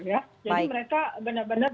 ya jadi mereka benar benar